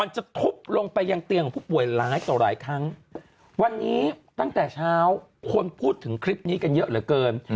จะทุบลงไปยังเตียงของผู้ป่วยหลายต่อหลายครั้งวันนี้ตั้งแต่เช้าคนพูดถึงคลิปนี้กันเยอะเหลือเกิน